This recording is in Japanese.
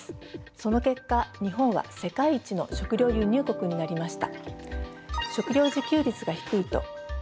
その結果日本は世界一の食料輸入国になりました。